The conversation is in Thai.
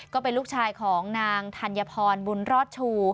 ก็เป็นลูกชายของนางธัญพรบุญรอดชู